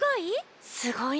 すごい？